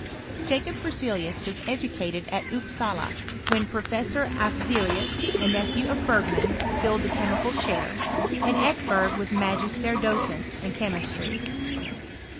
Jacob Berzelius was educated at Upsala, when Professor Afeelius, a nephew of Bergman, filled the chemical chair, and Ekebei^ was magister docens in chemistry.